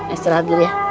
istirahat dulu ya